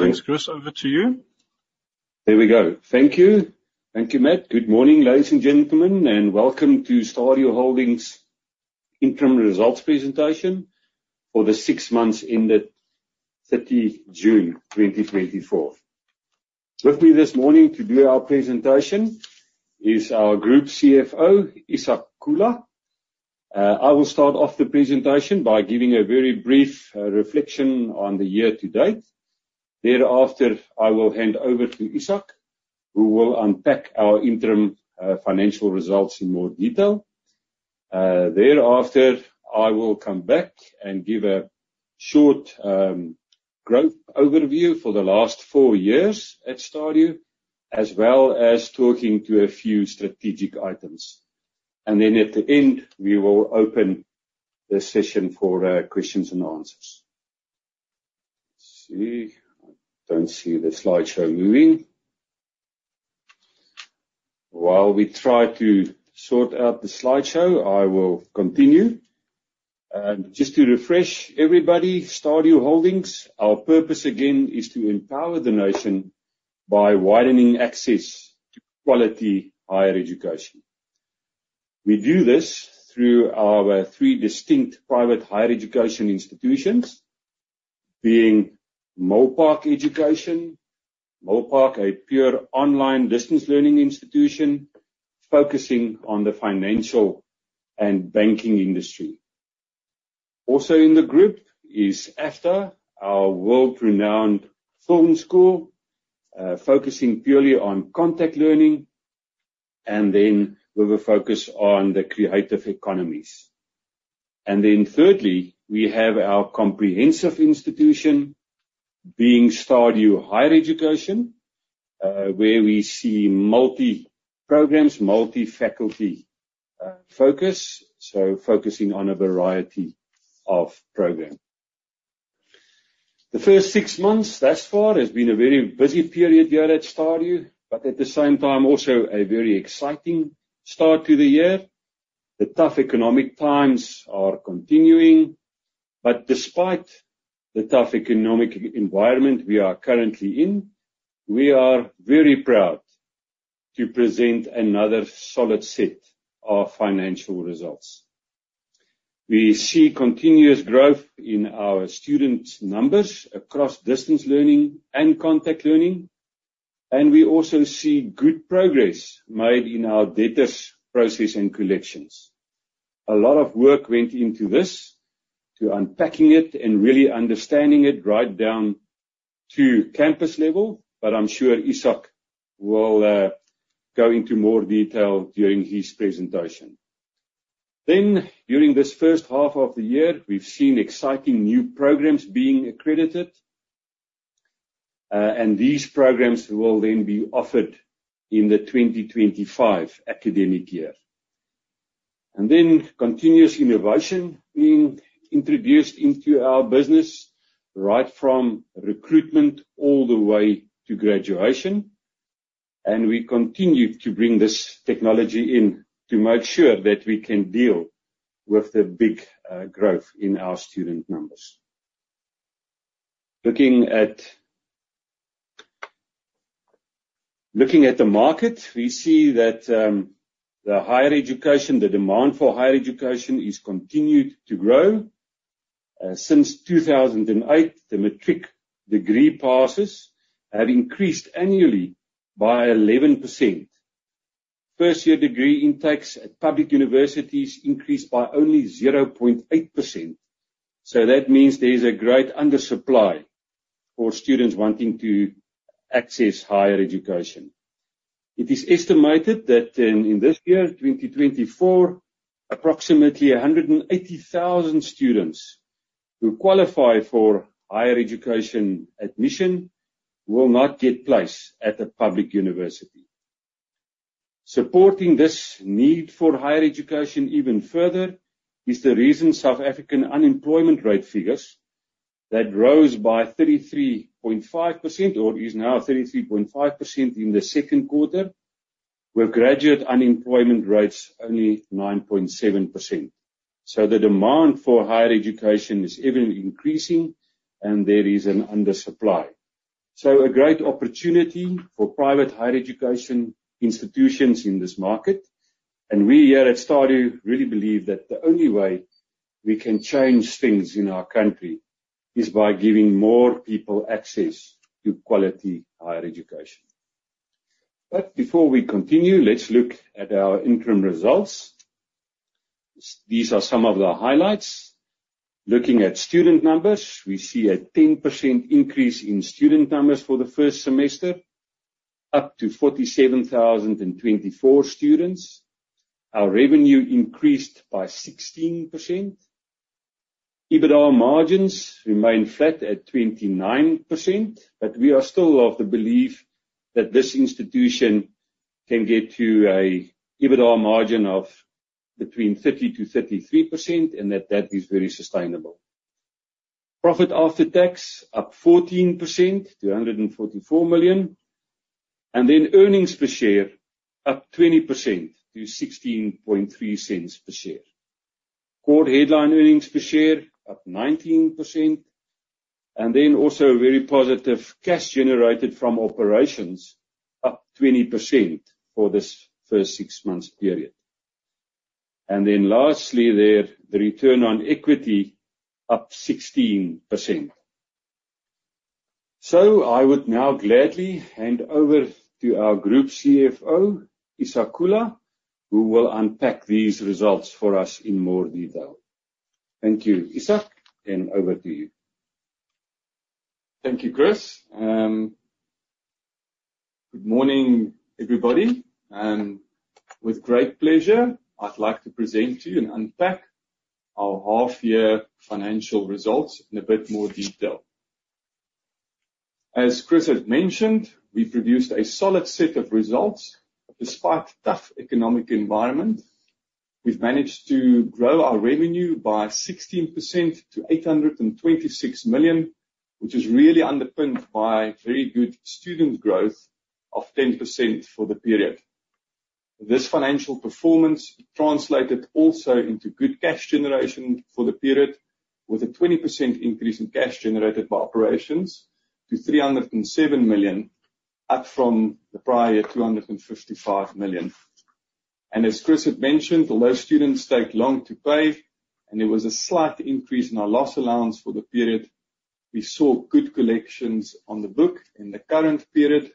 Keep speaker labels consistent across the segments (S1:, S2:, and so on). S1: Thanks, Chris, over to you. There we go. Thank you. Thank you, Matt. Welcome to Stadio Holdings interim results presentation for the six months ended 30 June 2024. With me this morning to do our presentation is our group CFO, Ishak Kula. I will start off the presentation by giving a very brief reflection on the year to date. Thereafter, I will hand over to Ishak, who will unpack our interim financial results in more detail. Thereafter, I will come back and give a short group overview for the last four years at Stadio, as well as talking to a few strategic items. At the end, we will open the session for questions and answers. Let's see. I don't see the slideshow moving. While we try to sort out the slideshow, I will continue.
S2: Just to refresh everybody, Stadio Holdings, our purpose, again, is to empower the nation by widening access to quality higher education. We do this through our three distinct private higher education institutions, being Milpark Education. Milpark, a pure online distance learning institution focusing on the financial and banking industry. Also in the group is AFDA, our world-renowned film school, focusing purely on contact learning, with a focus on the creative economies. Thirdly, we have our comprehensive institution, being Stadio Higher Education, where we see multi-programs, multi-faculty focus. Focusing on a variety of programs. The first six months thus far has been a very busy period here at Stadio, but at the same time, also a very exciting start to the year. The tough economic times are continuing, despite the tough economic environment we are currently in, we are very proud to present another solid set of financial results. We see continuous growth in our student numbers across distance learning and contact learning, we also see good progress made in our debtors process and collections. A lot of work went into this, to unpacking it and really understanding it right down to campus level, I'm sure Ishak will go into more detail during his presentation. During this first half of the year, we've seen exciting new programs being accredited, and these programs will then be offered in the 2025 academic year. Continuous innovation being introduced into our business right from recruitment all the way to graduation. We continue to bring this technology in to make sure that we can deal with the big growth in our student numbers. Looking at the market, we see that the demand for higher education has continued to grow. Since 2008, the matric degree passes have increased annually by 11%. First-year degree intakes at public universities increased by only 0.8%. That means there is a great undersupply for students wanting to access higher education. It is estimated that in this year, 2024, approximately 180,000 students who qualify for higher education admission will not get place at a public university. Supporting this need for higher education even further is the reason South African unemployment rate figures that rose by 33.5%, or is now 33.5% in the second quarter, with graduate unemployment rates only 9.7%. The demand for higher education is ever-increasing and there is an undersupply. A great opportunity for private higher education institutions in this market. We here at Stadio really believe that the only way we can change things in our country is by giving more people access to quality higher education. Before we continue, let's look at our interim results. These are some of the highlights. Looking at student numbers, we see a 10% increase in student numbers for the first semester, up to 47,024 students. Our revenue increased by 16%. EBITDA margins remain flat at 29%, but we are still of the belief that this institution can get to an EBITDA margin of between 30%-33% and that is very sustainable. Profit after tax up 14% to 144 million. Earnings per share up 20% to 0.163 per share. Core headline earnings per share up 19%, also very positive cash generated from operations up 20% for this first six months period. Lastly, their return on equity up 16%. I would now gladly hand over to our group CFO, Ishak Kula, who will unpack these results for us in more detail. Thank you. Ishak, over to you.
S3: Thank you, Chris. Good morning, everybody. With great pleasure, I'd like to present to you and unpack our half-year financial results in a bit more detail. As Chris had mentioned, we've produced a solid set of results despite a tough economic environment. We've managed to grow our revenue by 16% to 826 million, which is really underpinned by very good student growth of 10% for the period. This financial performance translated also into good cash generation for the period, with a 20% increase in cash generated by operations to 307 million, up from the prior year, 255 million. As Chris had mentioned, although students take long to pay and there was a slight increase in our loss allowance for the period, we saw good collections on the book in the current period.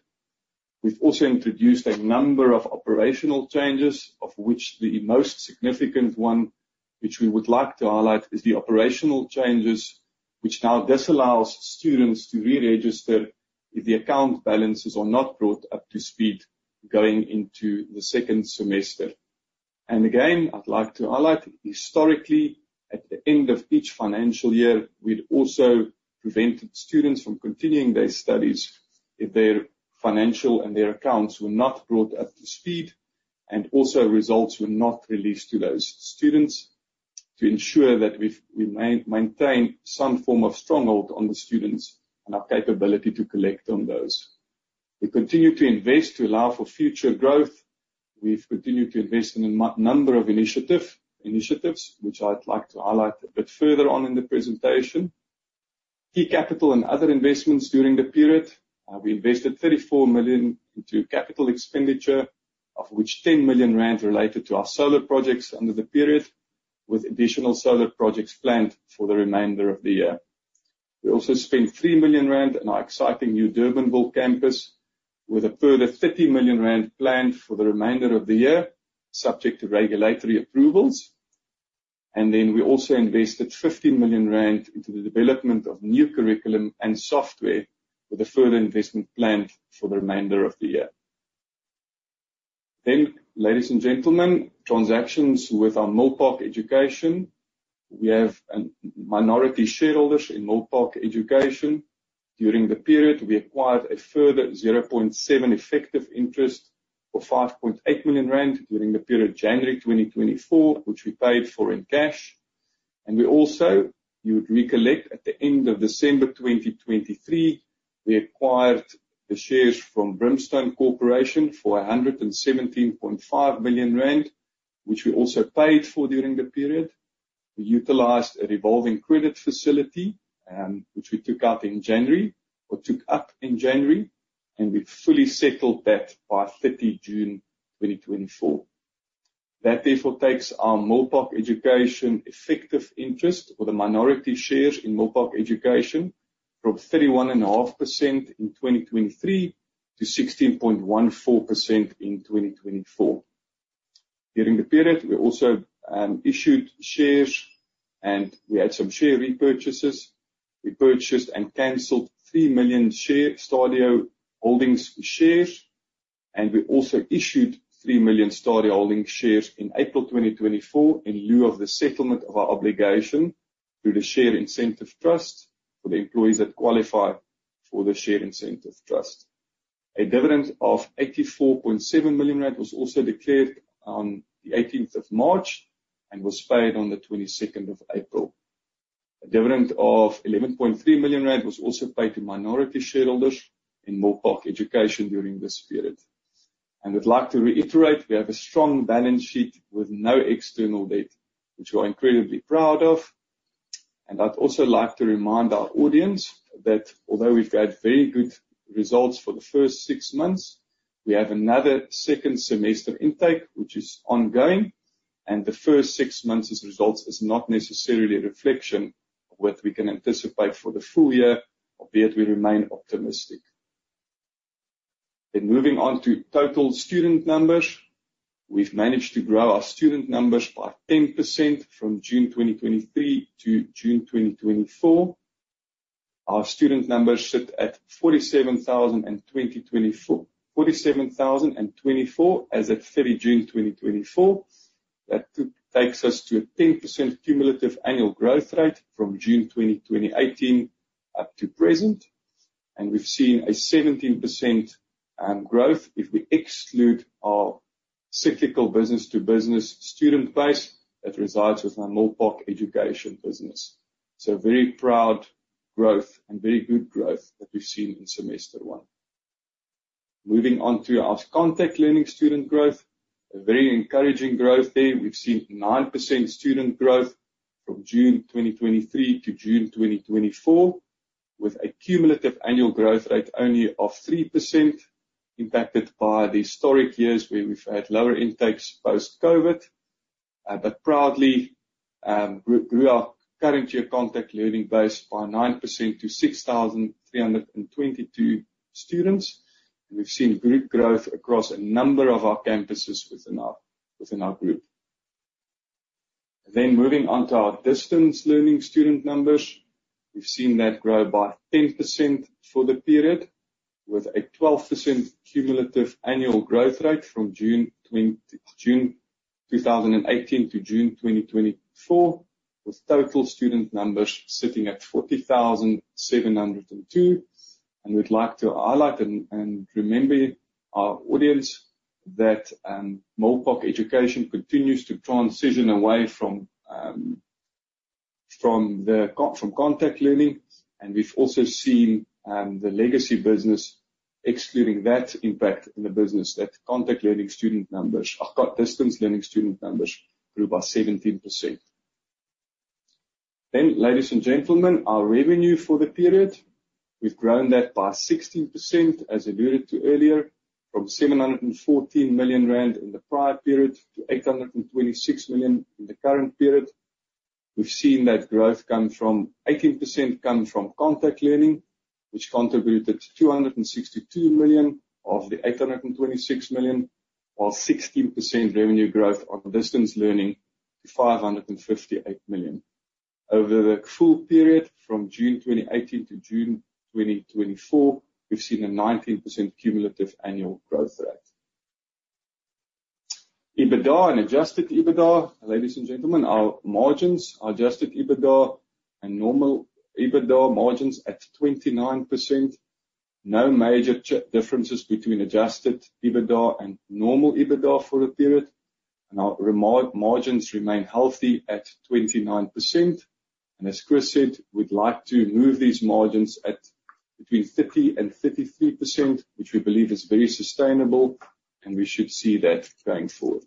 S3: We've also introduced a number of operational changes, of which the most significant one, which we would like to highlight, is the operational changes which now disallows students to reregister if the account balances are not brought up to speed going into the second semester. Again, I'd like to highlight historically, at the end of each financial year, we'd also prevented students from continuing their studies if their financial and their accounts were not brought up to speed, and also results were not released to those students to ensure that we maintain some form of stronghold on the students and our capability to collect on those. We continue to invest to allow for future growth. We've continued to invest in a number of initiatives, which I'd like to highlight a bit further on in the presentation. Key capital and other investments during the period. We invested 34 million into capital expenditure, of which 10 million rand related to our solar projects under the period, with additional solar projects planned for the remainder of the year. We also spent 3 million rand on our exciting new Durbanville campus with a further 30 million rand planned for the remainder of the year, subject to regulatory approvals. We also invested 50 million rand into the development of new curriculum and software with a further investment planned for the remainder of the year. Ladies and gentlemen, transactions with our Milpark Education. We have minority shareholders in Milpark Education. During the period, we acquired a further 0.7 effective interest of 5.8 million rand during the period January 2024, which we paid for in cash. We also, you would recollect at the end of December 2023, we acquired the shares from Brimstone Corporation for 117.5 million rand, which we also paid for during the period. We utilized a revolving credit facility, which we took up in January, and we've fully settled that by 30 June 2024. That therefore takes our Milpark Education effective interest for the minority shares in Milpark Education from 31.5% in 2023 to 16.14% in 2024. During the period, we also issued shares and we had some share repurchases. We purchased and canceled 3 million Stadio Holdings shares, and we also issued 3 million Stadio Holdings shares in April 2024 in lieu of the settlement of our obligation through the share incentive trust for the employees that qualify for the share incentive trust. A dividend of 84.7 million rand was also declared on the 18th of March and was paid on the 22nd of April. A dividend of 11.3 million rand was also paid to minority shareholders in Milpark Education during this period. We'd like to reiterate, we have a strong balance sheet with no external debt, which we're incredibly proud of. I'd also like to remind our audience that although we've had very good results for the first six months, we have another second semester intake, which is ongoing, and the first six months' results is not necessarily a reflection of what we can anticipate for the full year, albeit we remain optimistic. Moving on to total student numbers. We've managed to grow our student numbers by 10% from June 2023 to June 2024. Our student numbers sit at 47,024 as at 30 June 2024. That takes us to a 10% cumulative annual growth rate from June 2018 up to present. We've seen a 17% growth if we exclude our cyclical business to business student base that resides with our Milpark Education business. Very proud growth and very good growth that we've seen in semester one. Moving on to our contact learning student growth. A very encouraging growth there. We've seen 9% student growth from June 2023 to June 2024, with a cumulative annual growth rate only of 3%, impacted by the historic years where we've had lower intakes post-COVID. Proudly, grew our current year contact learning base by 9% to 6,322 students. We've seen group growth across a number of our campuses within our group. Moving on to our distance learning student numbers. We've seen that grow by 10% for the period, with a 12% cumulative annual growth rate from June 2018 to June 2024, with total student numbers sitting at 40,702. We'd like to highlight and remember our audience that Milpark Education continues to transition away from contact learning, and we've also seen the legacy business excluding that impact in the business, that distance learning student numbers grew by 17%. Our revenue for the period. We've grown that by 16%, as alluded to earlier, from 714 million rand in the prior period to 826 million in the current period. We've seen that growth, 18% come from contact learning, which contributed 262 million of the 826 million, while 16% revenue growth on distance learning to 558 million. Over the full period, from June 2018 to June 2024, we've seen a 19% cumulative annual growth rate. EBITDA and adjusted EBITDA. Our margins, adjusted EBITDA and normal EBITDA margins at 29%. No major differences between adjusted EBITDA and normal EBITDA for the period. Our margins remain healthy at 29%. As Chris said, we'd like to move these margins at between 30%-33%, which we believe is very sustainable, and we should see that going forward.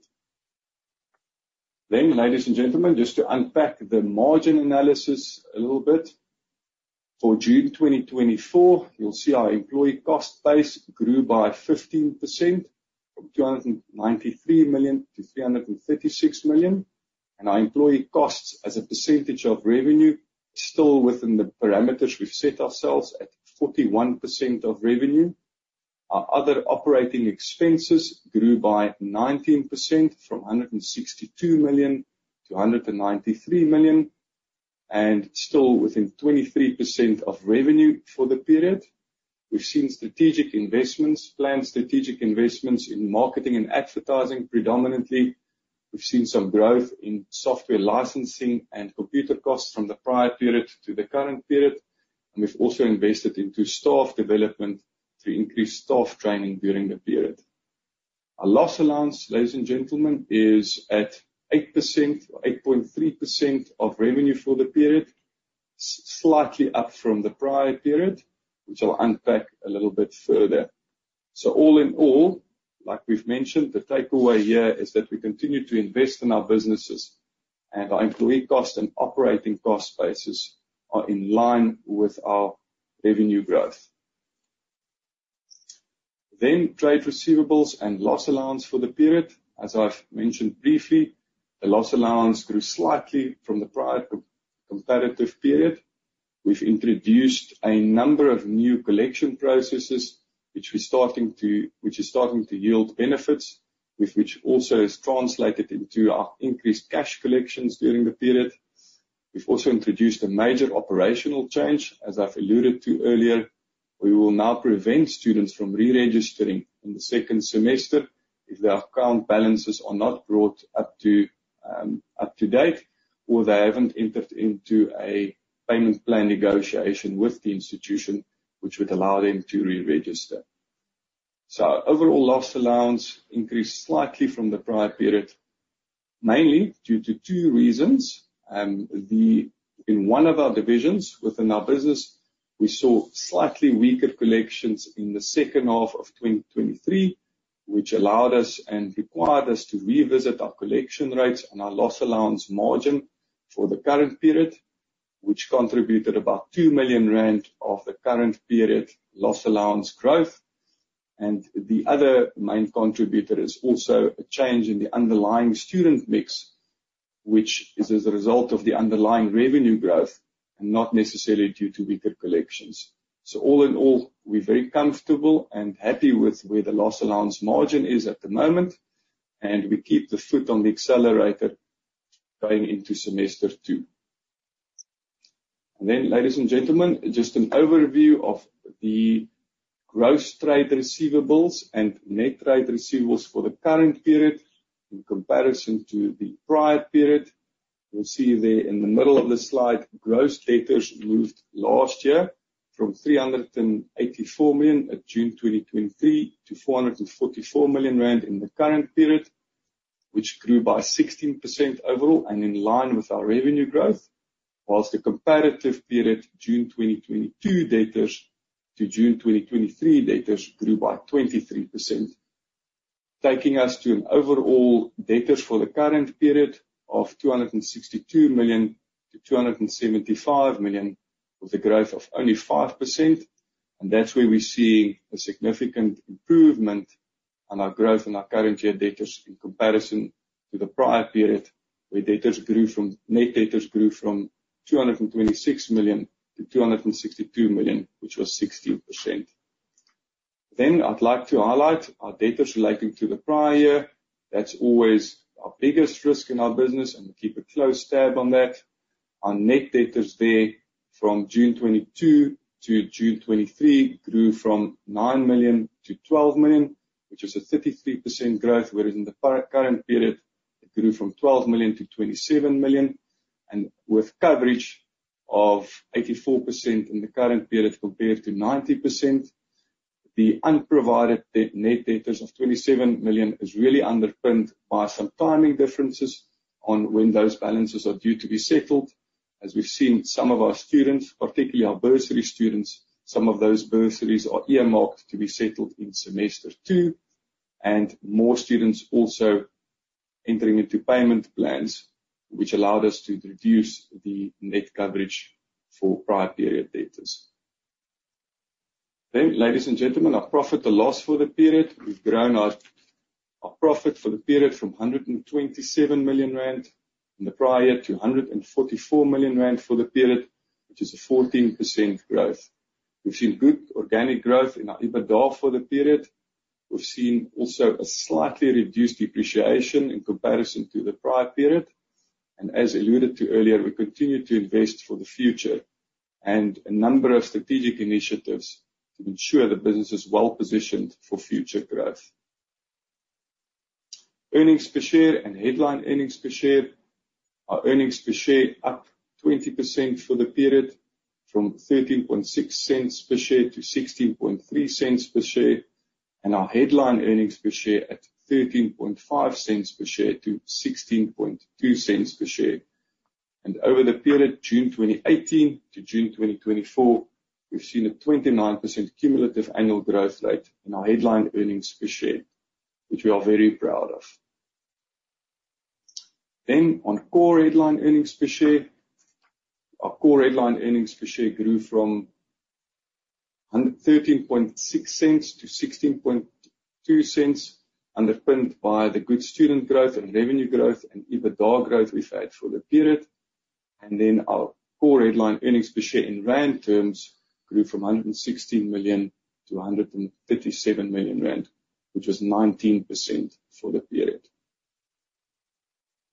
S3: Just to unpack the margin analysis a little bit. For June 2024, you'll see our employee cost base grew by 15%, from 293 million to 336 million. Our employee costs as a percentage of revenue still within the parameters we've set ourselves at 41% of revenue. Our other operating expenses grew by 19%, from 162 million to 193 million, and still within 23% of revenue for the period. We've seen strategic investments, planned strategic investments in marketing and advertising predominantly. We've seen some growth in software licensing and computer costs from the prior period to the current period. We've also invested into staff development to increase staff training during the period. Our loss allowance, ladies and gentlemen, is at 8% or 8.3% of revenue for the period, slightly up from the prior period, which I'll unpack a little bit further. So all in all, like we've mentioned, the takeaway here is that we continue to invest in our businesses and our employee cost and operating cost bases are in line with our revenue growth. Trade receivables and loss allowance for the period. As I've mentioned briefly, the loss allowance grew slightly from the prior comparative period. We've introduced a number of new collection processes, which is starting to yield benefits, which also has translated into our increased cash collections during the period. We've also introduced a major operational change, as I've alluded to earlier. We will now prevent students from re-registering in the second semester if their account balances are not brought up to date or they haven't entered into a payment plan negotiation with the institution, which would allow them to re-register. So our overall loss allowance increased slightly from the prior period, mainly due to two reasons. In one of our divisions within our business, we saw slightly weaker collections in the second half of 2023, which allowed us and required us to revisit our collection rates and our loss allowance margin for the current period, which contributed about 2 million rand of the current period loss allowance growth. The other main contributor is also a change in the underlying student mix, which is as a result of the underlying revenue growth and not necessarily due to weaker collections. All in all, we're very comfortable and happy with where the loss allowance margin is at the moment, and we keep the foot on the accelerator going into semester two. Ladies and gentlemen, just an overview of the gross trade receivables and net trade receivables for the current period in comparison to the prior period. You'll see there in the middle of the slide, gross debtors moved last year from 384 million at June 2023 to 444 million rand in the current period. It grew by 16% overall and in line with our revenue growth, whilst the comparative period June 2022 debtors to June 2023 debtors grew by 23%. Taking us to an overall debtors for the current period of 262 million to 275 million, with a growth of only 5%. That's where we're seeing a significant improvement on our growth in our current year debtors in comparison to the prior period where net debtors grew from 226 million to 262 million, which was 16%. I'd like to highlight our debtors relating to the prior. That's always our biggest risk in our business, and we keep a close tab on that. Our net debtors there from June 2022 to June 2023 grew from 9 million to 12 million, which is a 33% growth. Whereas in the current period, it grew from 12 million to 27 million, and with coverage of 84% in the current period, compared to 90%. The unprovided net debtors of 27 million is really underpinned by some timing differences on when those balances are due to be settled. As we've seen, some of our students, particularly our bursary students, some of those bursaries are earmarked to be settled in semester two, and more students also entering into payment plans, which allowed us to reduce the net coverage for prior period debtors. Ladies and gentlemen, our profit or loss for the period. We've grown our profit for the period from 127 million rand in the prior, to 144 million rand for the period, which is a 14% growth. We've seen good organic growth in our EBITDA for the period. We've seen also a slightly reduced depreciation in comparison to the prior period. As alluded to earlier, we continue to invest for the future and a number of strategic initiatives to ensure the business is well-positioned for future growth. Earnings per share and headline earnings per share. Our earnings per share up 20% for the period, from 0.136 per share to 0.163 per share, and our headline earnings per share at 0.135 per share to 0.162 per share. Over the period June 2018 to June 2024, we've seen a 29% cumulative annual growth rate in our headline earnings per share, which we are very proud of. On core headline earnings per share. Our core headline earnings per share grew from 0.136 to 0.162, underpinned by the good student growth and revenue growth and EBITDA growth we've had for the period. Our core headline earnings per share in rand terms grew from 116 million to 137 million rand, which was 19% for the period.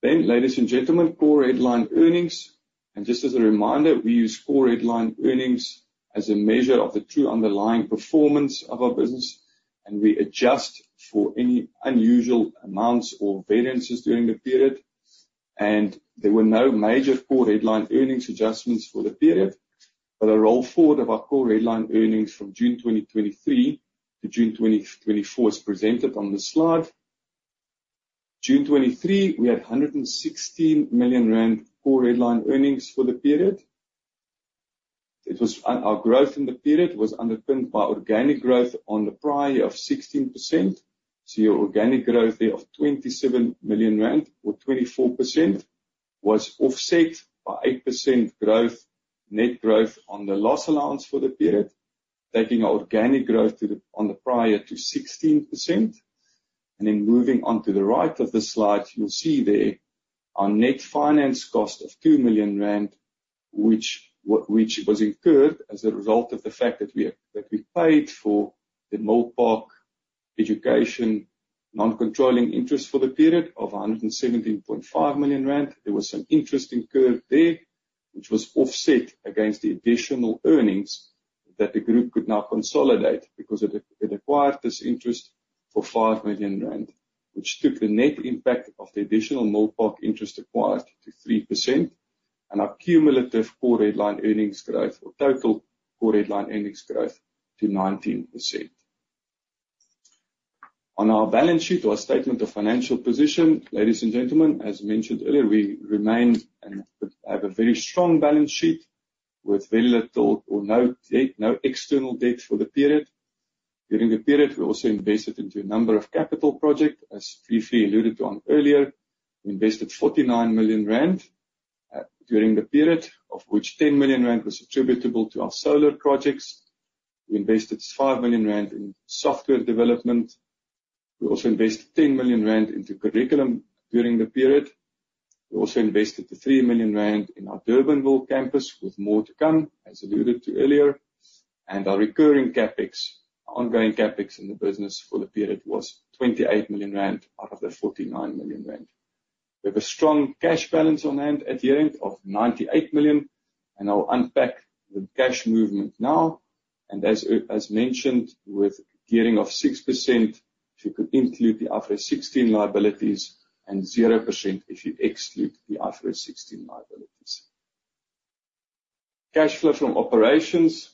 S3: Ladies and gentlemen, core headline earnings. Just as a reminder, we use core headline earnings as a measure of the true underlying performance of our business, and we adjust for any unusual amounts or variances during the period. There were no major core headline earnings adjustments for the period. A roll forward of our core headline earnings from June 2023 to June 2024 is presented on this slide. June 2023, we had 116 million rand core headline earnings for the period. Our growth in the period was underpinned by organic growth on the prior of 16%. Your organic growth there of 27 million rand or 24% was offset by 8% net growth on the loss allowance for the period, taking our organic growth on the prior to 16%. Moving on to the right of the slide, you'll see there our net finance cost of 2 million rand, which was incurred as a result of the fact that we paid for the Milpark Education non-controlling interest for the period of 117.5 million rand. There was some interest incurred there, which was offset against the additional earnings that the group could now consolidate because it acquired this interest for 5 million rand, which took the net impact of the additional Milpark interest acquired to 3% and our cumulative core headline earnings growth or total core headline earnings growth to 19%. On our balance sheet, our statement of financial position, ladies and gentlemen, as mentioned earlier, we remain and have a very strong balance sheet with very little or no external debt for the period. During the period, we also invested into a number of capital projects. As briefly alluded on earlier, we invested 49 million rand during the period, of which 10 million rand was attributable to our solar projects. We invested 5 million rand in software development. We also invested 10 million rand into curriculum during the period. We also invested the 3 million rand in our Durbanville campus with more to come, as alluded to earlier. Our recurring CapEx, our ongoing CapEx in the business for the period was 28 million rand out of the 49 million rand. We have a strong cash balance on hand at year-end of 98 million, and I'll unpack the cash movement now. As mentioned, with gearing of 6%, if you could include the IFRS 16 liabilities and 0% if you exclude the IFRS 16 liabilities. Cash flow from operations.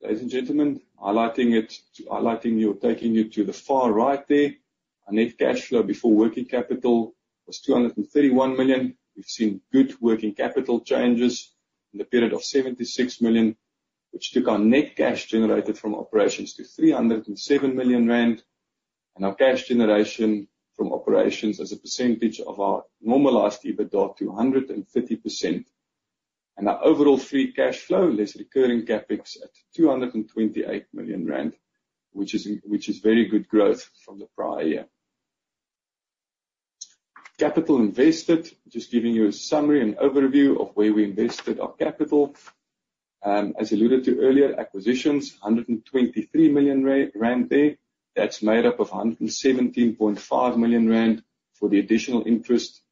S3: Ladies and gentlemen, highlighting or taking you to the far right there. Our net cash flow before working capital was 231 million. We've seen good working capital changes in the period of 76 million, which took our net cash generated from operations to 307 million rand, and our cash generation from operations as a percentage of our normalized EBITDA to 150%. Our overall free cash flow less recurring CapEx at 228 million rand, which is very good growth from the prior year. Capital invested, just giving you a summary and overview of where we invested our capital. As alluded to earlier, acquisitions, 123 million rand there. That's made up of 117.5 million rand for the additional interest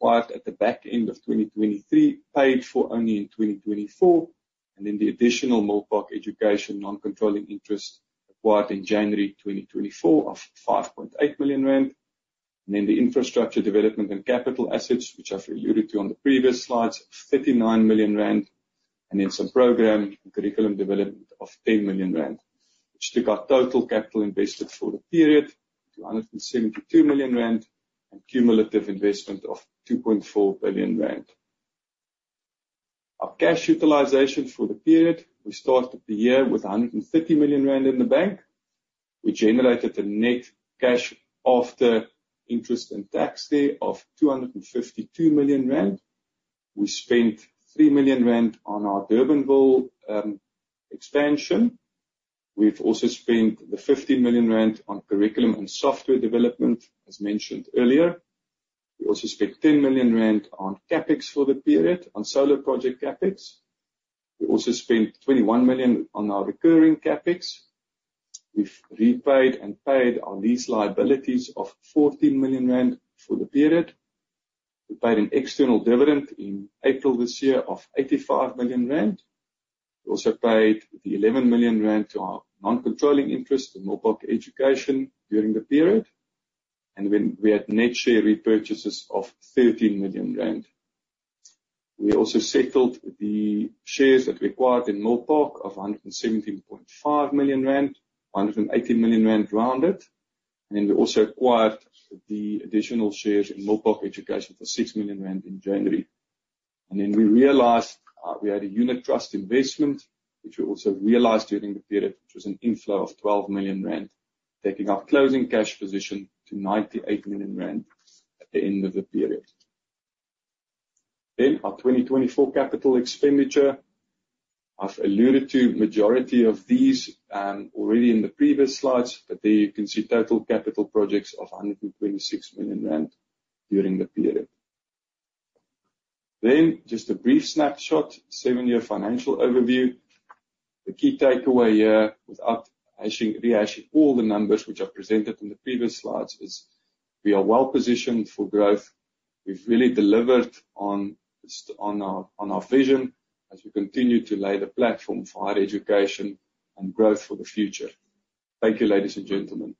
S3: acquired at the back end of 2023, paid for only in 2024. The additional Milpark Education non-controlling interest acquired in January 2024 of 5.8 million rand. The infrastructure development and capital assets, which I've alluded to on the previous slides, 39 million rand. Some program and curriculum development of 10 million rand, which took our total capital invested for the period to 172 million rand and cumulative investment of 2.4 billion rand. Our cash utilization for the period, we started the year with 130 million rand in the bank. We generated a net cash after interest and tax there of 252 million rand. We spent 3 million rand on our Durbanville expansion. We've also spent the 15 million rand on curriculum and software development, as mentioned earlier. We also spent 10 million rand on CapEx for the period, on solar project CapEx. We also spent 21 million on our recurring CapEx. We've repaid and paid our lease liabilities of 14 million rand for the period. We paid an external dividend in April this year of 85 million rand. We also paid the 11 million rand to our non-controlling interest in Milpark Education during the period. We had net share repurchases of 30 million rand. We also settled the shares that we acquired in Milpark of 117.5 million rand, 118 million rand rounded. We also acquired the additional shares in Milpark Education for 6 million rand in January. We realized, we had a unit trust investment, which we also realized during the period, which was an inflow of 12 million rand, taking our closing cash position to 98 million rand at the end of the period. Our 2024 capital expenditure. I've alluded to majority of these already in the previous slides, but there you can see total capital projects of 126 million rand during the period. Just a brief snapshot, seven-year financial overview. The key takeaway here, without rehash all the numbers which I've presented on the previous slides, is we are well-positioned for growth. We've really delivered on our vision as we continue to lay the platform for higher education and growth for the future. Thank you, ladies and gentlemen.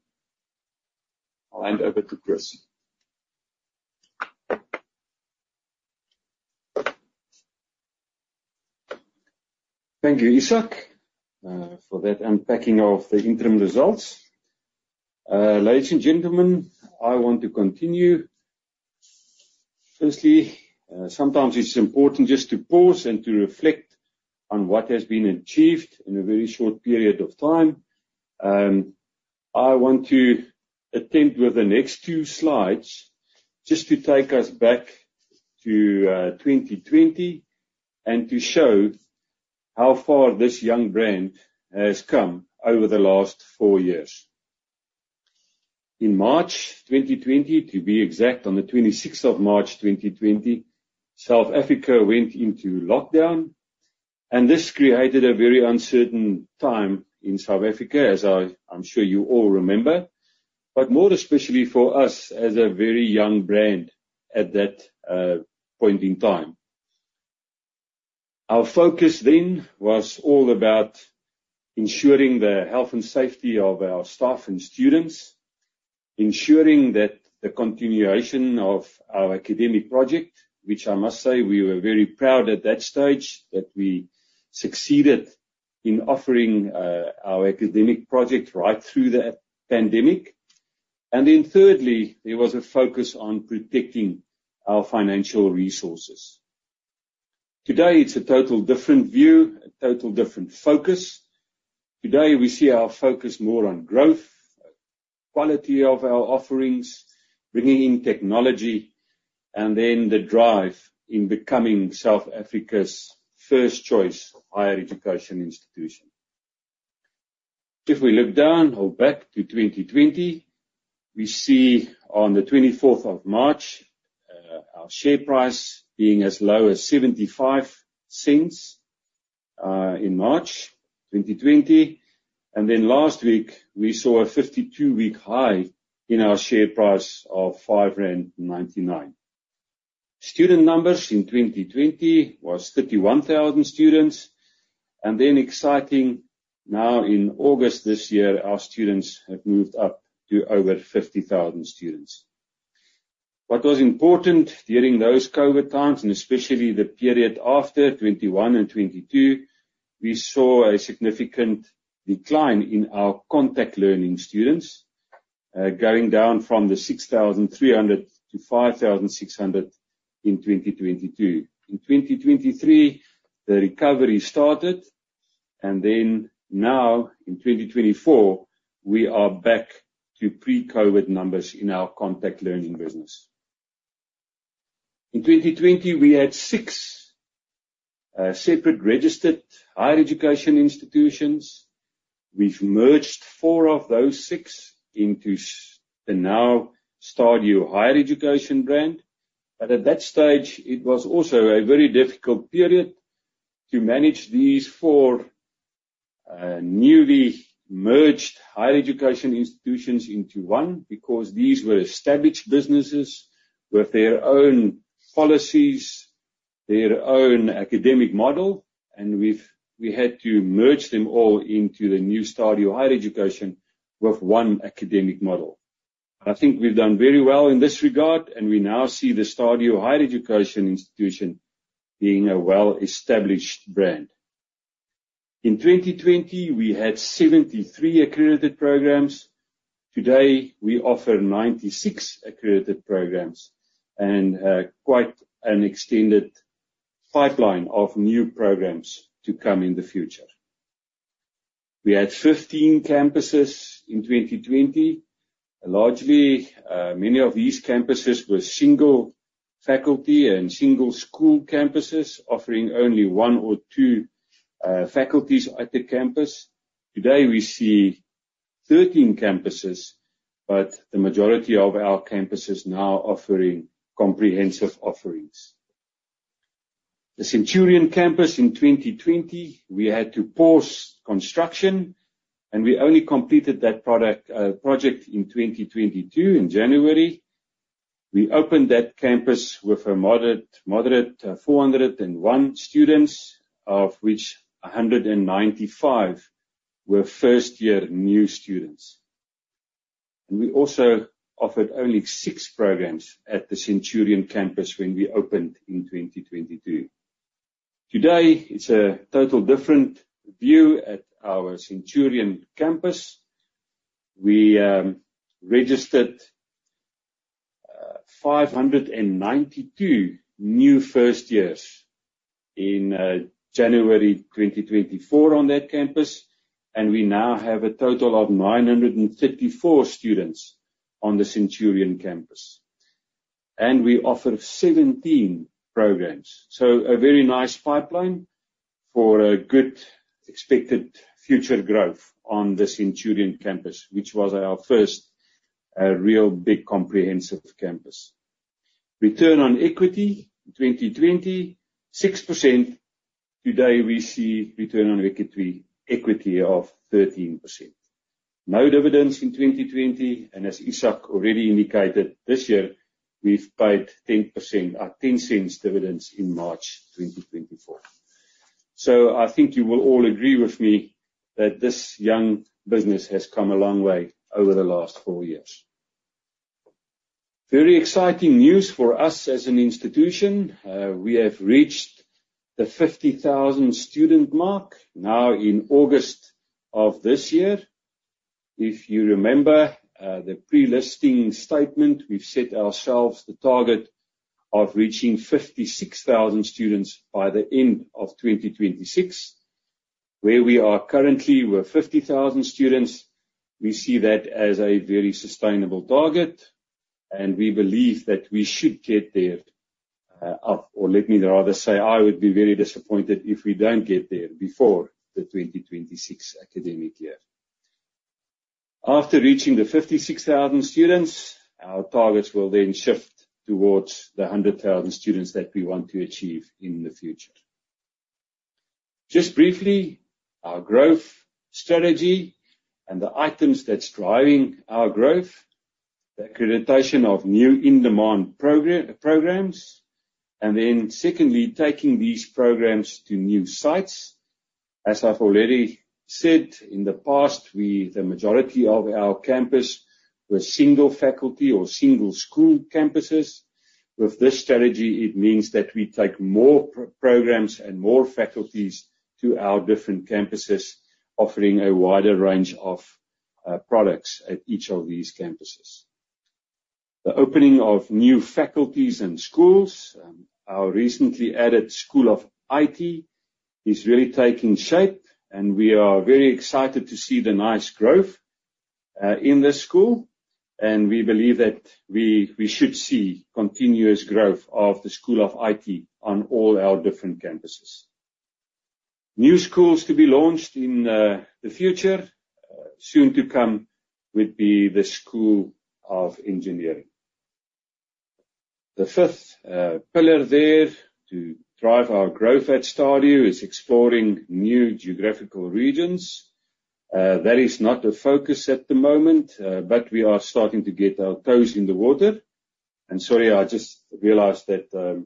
S3: I'll hand over to Chris.
S2: Thank you, Ishak, for that unpacking of the interim results. Ladies and gentlemen, I want to continue. Firstly, sometimes it's important just to pause and to reflect on what has been achieved in a very short period of time. I want to attempt with the next two slides just to take us back to 2020 and to show how far this young brand has come over the last four years. In March 2020, to be exact, on the 26th of March 2020, South Africa went into lockdown. This created a very uncertain time in South Africa, as I'm sure you all remember. More especially for us as a very young brand at that point in time. Our focus then was all about ensuring the health and safety of our staff and students, ensuring that the continuation of our academic project, which I must say we were very proud at that stage that we succeeded in offering our academic project right through the pandemic. Thirdly, there was a focus on protecting our financial resources. Today, it's a total different view, a total different focus. Today, we see our focus more on growth, quality of our offerings, bringing in technology. The drive in becoming South Africa's first choice higher education institution. If we look down or back to 2020, we see on the 24th of March, our share price being as low as 0.75, in March 2020. Last week, we saw a 52-week high in our share price of 5.99. Student numbers in 2020 was 31,000 students. Exciting now in August this year, our students have moved up to over 50,000 students. What was important during those COVID times, and especially the period after 2021 and 2022, we saw a significant decline in our contact learning students, going down from the 6,300 to 5,600 in 2022. In 2023, the recovery started. Now in 2024, we are back to pre-COVID numbers in our contact learning business. In 2020, we had six separate registered higher education institutions. We've merged four of those six into the now Stadio Higher Education brand. At that stage it was also a very difficult period to manage these four newly merged higher education institutions into one because these were established businesses with their own policies, their own academic model, and we had to merge them all into the new Stadio Higher Education with one academic model. I think we've done very well in this regard. We now see the Stadio Higher Education Institution being a well-established brand. In 2020, we had 73 accredited programs. Today, we offer 96 accredited programs and quite an extended pipeline of new programs to come in the future. We had 15 campuses in 2020. Largely, many of these campuses were single faculty and single school campuses, offering only one or two faculties at the campus. Today, we see 13 campuses, but the majority of our campuses now offering comprehensive offerings. The Centurion Campus in 2020, we had to pause construction. We only completed that project in 2022. In January, we opened that campus with a moderate 401 students, of which 195 were first year new students. We also offered only six programs at the Centurion Campus when we opened in 2022. Today, it's a total different view at our Centurion Campus. We registered 592 new first years in January 2024 on that campus, and we now have a total of 934 students on the Centurion Campus. We offer 17 programs. A very nice pipeline for a good expected future growth on the Centurion Campus, which was our first real big comprehensive campus. Return on equity, 2020, 6%. Today, we see return on equity of 13%. No dividends in 2020, and as Ishak already indicated, this year we've paid 0.10 dividends in March 2024. I think you will all agree with me that this young business has come a long way over the last four years. Very exciting news for us as an institution. We have reached the 50,000 student mark now in August of this year. If you remember, the pre-listing statement, we've set ourselves the target of reaching 56,000 students by the end of 2026. Where we are currently, we're 50,000 students. We see that as a very sustainable target, and we believe that we should get there, or let me rather say, I would be very disappointed if we don't get there before the 2026 academic year. After reaching the 56,000 students, our targets will then shift towards the 100,000 students that we want to achieve in the future. Just briefly, our growth strategy and the items that's driving our growth, the accreditation of new in-demand programs, and then secondly, taking these programs to new sites. As I've already said, in the past, the majority of our campus were single faculty or single school campuses. With this strategy, it means that we take more programs and more faculties to our different campuses, offering a wider range of products at each of these campuses. The opening of new faculties and schools. Our recently added School of IT is really taking shape, and we are very excited to see the nice growth in this school. We believe that we should see continuous growth of the School of IT on all our different campuses. New schools to be launched in the future. Soon to come would be the School of Engineering. The fifth pillar there to drive our growth at Stadio is exploring new geographical regions. That is not a focus at the moment, but we are starting to get our toes in the water. Sorry, I just realized that the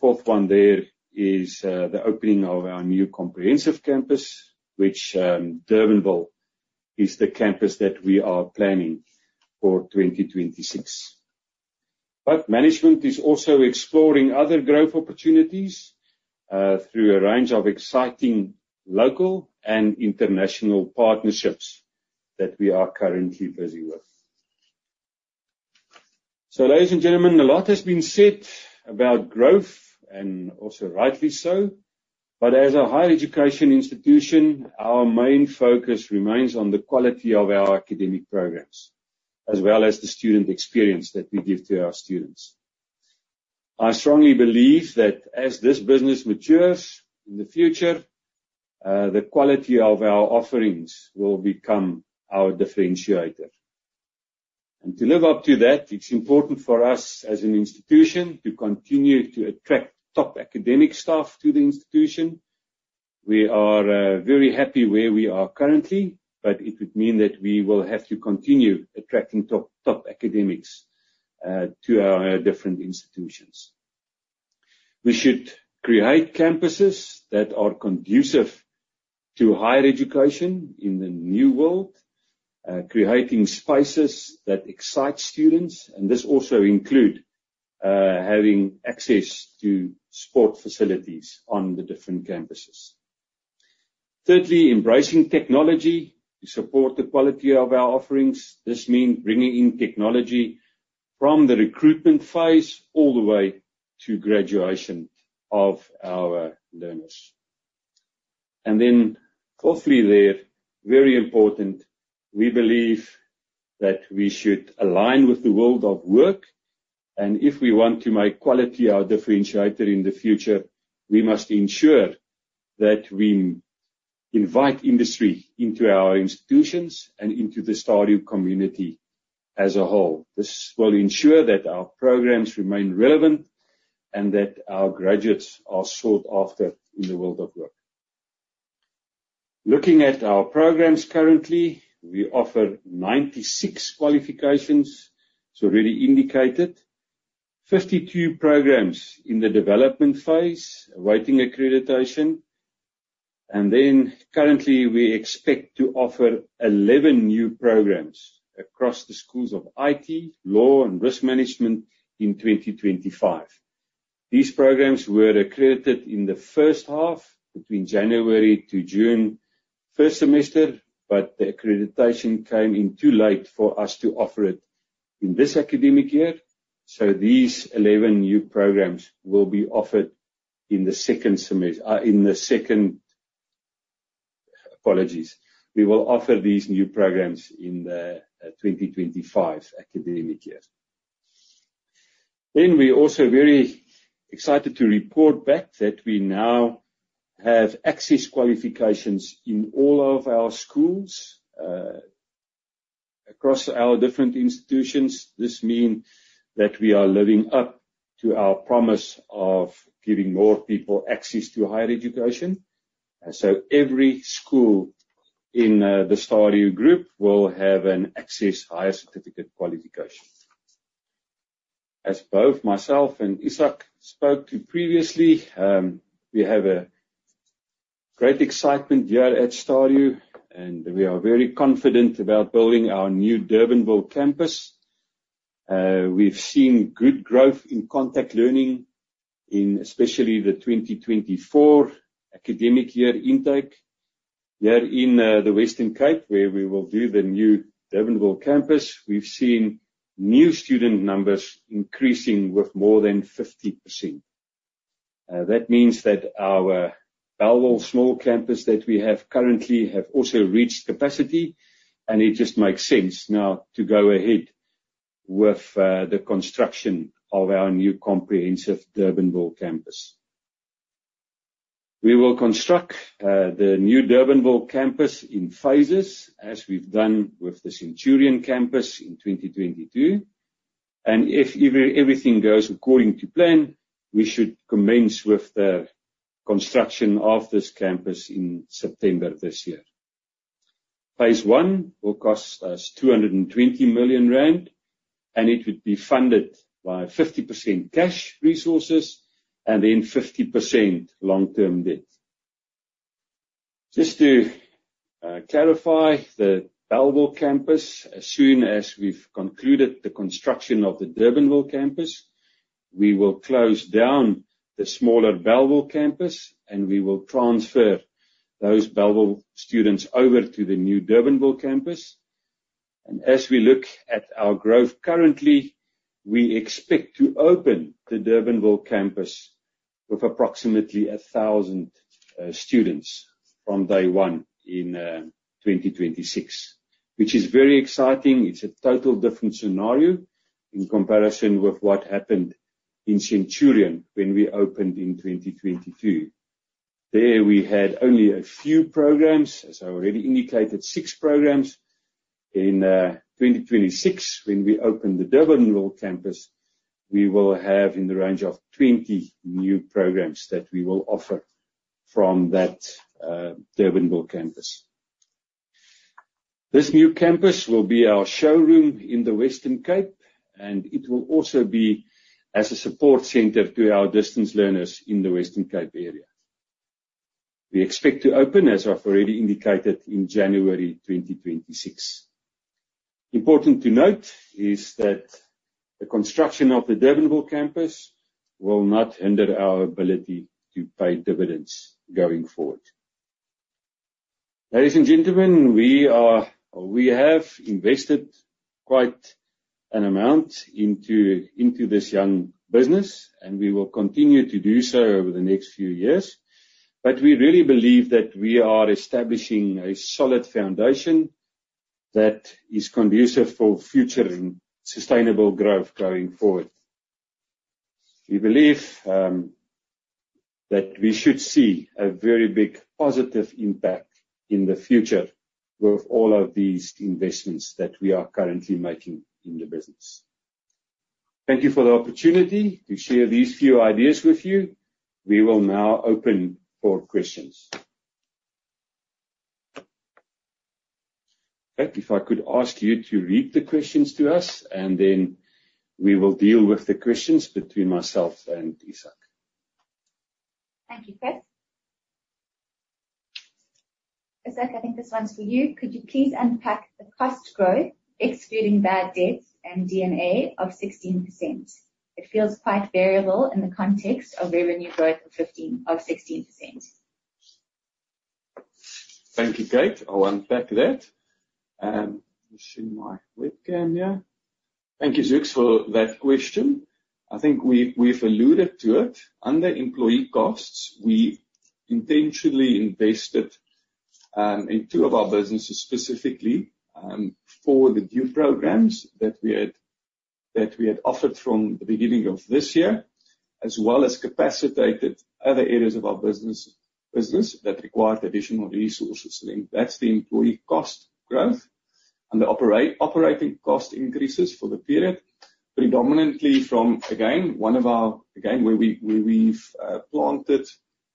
S2: fourth one there is the opening of our new comprehensive campus, which Durbanville is the campus that we are planning for 2026. Management is also exploring other growth opportunities through a range of exciting local and international partnerships that we are currently busy with. Ladies and gentlemen, a lot has been said about growth and also rightly so. As a higher education institution, our main focus remains on the quality of our academic programs, as well as the student experience that we give to our students. I strongly believe that as this business matures in the future, the quality of our offerings will become our differentiator. To live up to that, it's important for us as an institution to continue to attract top academic staff to the institution. We are very happy where we are currently, but it would mean that we will have to continue attracting top academics to our different institutions. We should create campuses that are conducive to higher education in the new world, creating spaces that excite students, this also include having access to sport facilities on the different campuses. Thirdly, embracing technology to support the quality of our offerings. This means bringing in technology from the recruitment phase all the way to graduation of our learners. Fourthly there, very important, we believe that we should align with the world of work, and if we want to make quality our differentiator in the future, we must ensure that we invite industry into our institutions and into the Stadio community as a whole. This will ensure that our programs remain relevant and that our graduates are sought after in the world of work. Looking at our programs currently, we offer 96 qualifications, it's already indicated. 52 programs in the development phase, awaiting accreditation. Currently we expect to offer 11 new programs across the schools of IT, law and risk management in 2025. These programs were accredited in the first half, between January to June, first semester, but the accreditation came in too late for us to offer it in this academic year. These 11 new programs will be offered in the second Apologies. We will offer these new programs in the 2025 academic year. We're also very excited to report back that we now have access qualifications in all of our schools, across our different institutions. This mean that we are living up to our promise of giving more people access to higher education. So every school in the Stadio group will have an access higher certificate qualification. As both myself and Ishak spoke to previously, we have a great excitement here at Stadio, and we are very confident about building our new Durbanville campus. We've seen good growth in contact learning in especially the 2024 academic year intake. Here in the Western Cape, where we will do the new Durbanville campus, we've seen new student numbers increasing with more than 50%. That means that our Bellville small campus that we have currently have also reached capacity, it just makes sense now to go ahead with the construction of our new comprehensive Durbanville campus. We will construct the new Durbanville campus in phases, as we've done with the Centurion campus in 2022. If everything goes according to plan, we should commence with the construction of this campus in September this year. Phase 1 will cost us 220 million rand, it would be funded by 50% cash resources and 50% long-term debt. Just to clarify the Bellville campus, as soon as we've concluded the construction of the Durbanville campus, we will close down the smaller Bellville campus, we will transfer those Bellville students over to the new Durbanville campus. As we look at our growth currently, we expect to open the Durbanville campus with approximately 1,000 students from day one in 2026, which is very exciting. It's a total different scenario in comparison with what happened in Centurion when we opened in 2022. There we had only a few programs, as I already indicated, six programs. In 2026, when we open the Durbanville campus, we will have in the range of 20 new programs that we will offer from that Durbanville campus. This new campus will be our showroom in the Western Cape, and it will also be as a support center to our distance learners in the Western Cape area. We expect to open, as I've already indicated, in January 2026. Important to note is that the construction of the Durbanville campus will not hinder our ability to pay dividends going forward. Ladies and gentlemen, we have invested quite an amount into this young business, and we will continue to do so over the next few years. We really believe that we are establishing a solid foundation that is conducive for future and sustainable growth going forward. We believe that we should see a very big, positive impact in the future with all of these investments that we are currently making in the business. Thank you for the opportunity to share these few ideas with you. We will now open for questions. Kate, if I could ask you to read the questions to us, and then we will deal with the questions between myself and Ishak.
S4: Thank you, Chris. Isaak, I think this one's for you. Could you please unpack the cost growth excluding bad debts and D&A of 16%? It feels quite variable in the context of revenue growth of 16%.
S3: Thank you, Kate. I'll unpack that. Let me share my webcam here. Thank you, Zuks, for that question. I think we've alluded to it. Under employee costs, we intentionally invested in two of our businesses, specifically for the new programs that we had offered from the beginning of this year, as well as capacitated other areas of our business that required additional resources. That's the employee cost growth. The operating cost increases for the period predominantly from again, where we've planted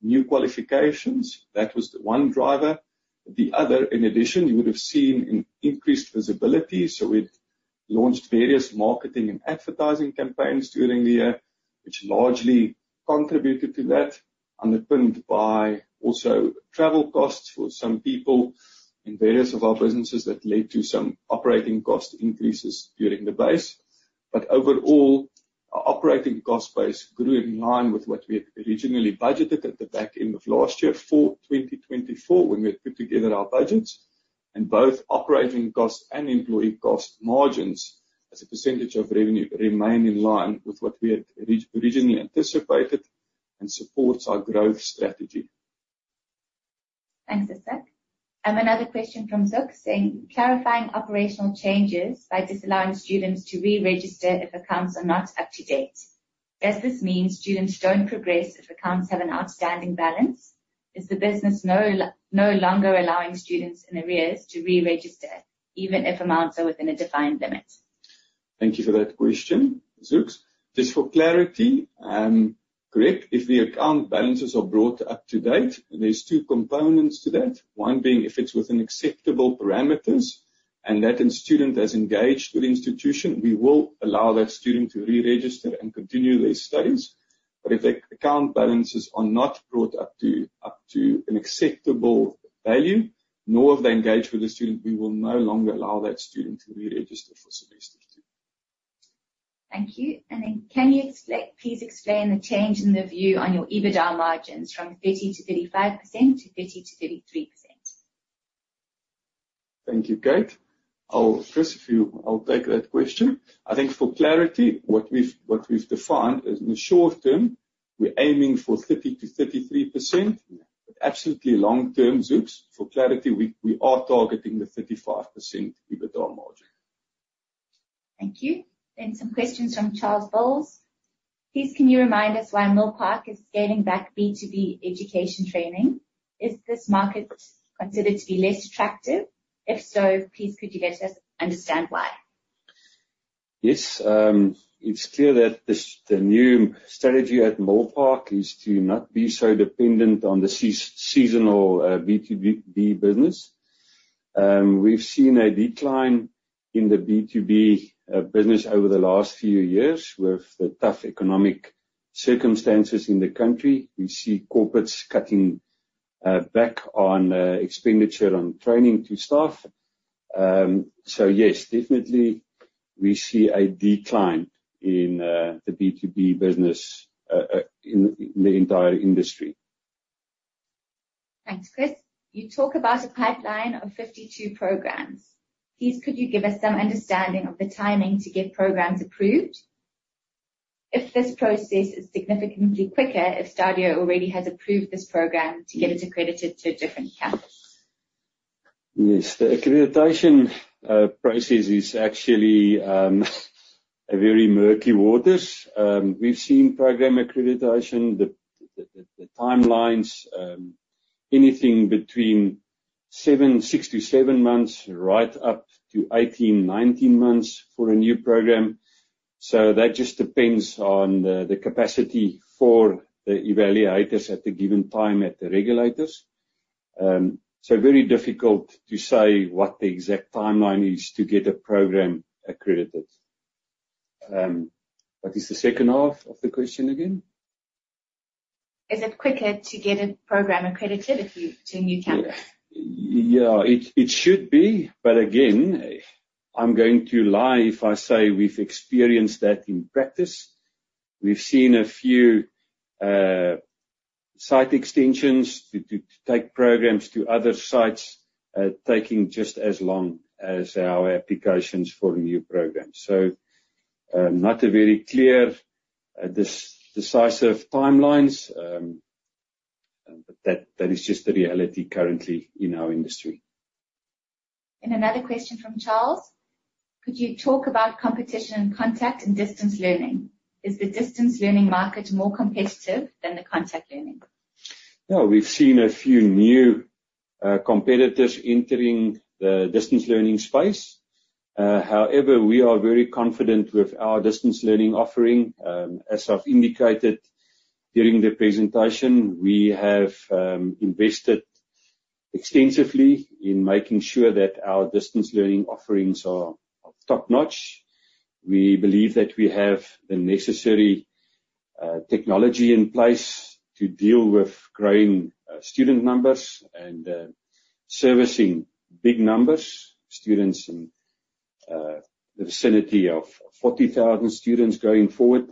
S3: new qualifications. That was the one driver. The other, in addition, you would have seen an increased visibility. We've launched various marketing and advertising campaigns during the year, which largely contributed to that, underpinned by also travel costs for some people in various of our businesses that led to some operating cost increases during the base. Overall, our operating cost base grew in line with what we had originally budgeted at the back end of last year for 2024, when we had put together our budgets. Both operating costs and employee cost margins as a percentage of revenue remain in line with what we had originally anticipated and supports our growth strategy.
S4: Thanks, Ishak. Another question from Zuks saying, clarifying operational changes by disallowing students to reregister if accounts are not up to date. Does this mean students don't progress if accounts have an outstanding balance? Is the business no longer allowing students in arrears to reregister, even if amounts are within a defined limit?
S3: Thank you for that question, Zuks. Just for clarity, correct, if the account balances are brought up to date, and there's two components to that. One being if it's within acceptable parameters and that end student has engaged with the institution, we will allow that student to reregister and continue their studies. If the account balances are not brought up to an acceptable value, nor have they engaged with the student, we will no longer allow that student to reregister for semester two.
S4: Thank you. Then can you please explain the change in the view on your EBITDA margins from 30%-35% to 30%-33%?
S2: Thank you, Kate. Chris, I'll take that question. I think for clarity, what we've defined is in the short term, we're aiming for 30%-33%, but absolutely long term, Zuks, for clarity, we are targeting the 35% EBITDA margin.
S4: Thank you. Some questions from Charles Bowles. Please, can you remind us why Milpark is scaling back B2B education training? Is this market considered to be less attractive? If so, please could you let us understand why?
S2: Yes. It's clear that the new strategy at Milpark is to not be so dependent on the seasonal B2B business. We've seen a decline in the B2B business over the last few years with the tough economic circumstances in the country. We see corporates cutting back on expenditure on training to staff. Yes, definitely we see a decline in the B2B business in the entire industry.
S4: Thanks, Chris. You talk about a pipeline of 52 programs. Please, could you give us some understanding of the timing to get programs approved? If this process is significantly quicker, if Stadio already has approved this program to get it accredited to a different campus.
S2: Yes. The accreditation process is actually very murky waters. We've seen program accreditation, the timelines, anything between six to seven months, right up to 18, 19 months for a new program. That just depends on the capacity for the evaluators at the given time at the regulators. Very difficult to say what the exact timeline is to get a program accredited. What is the second half of the question again?
S4: Is it quicker to get a program accredited if you do a new campus?
S2: Yeah. It should be, but again, I'm going to lie if I say we've experienced that in practice. We've seen a few site extensions to take programs to other sites, taking just as long as our applications for new programs. Not a very clear, decisive timelines. That is just the reality currently in our industry.
S4: Another question from Charles. Could you talk about competition in contact in distance learning? Is the distance learning market more competitive than the contact learning?
S2: We've seen a few new competitors entering the distance learning space. However, we are very confident with our distance learning offering. As I've indicated during the presentation, we have invested extensively in making sure that our distance learning offerings are top-notch. We believe that we have the necessary technology in place to deal with growing student numbers and servicing big numbers, students in the vicinity of 40,000 students going forward.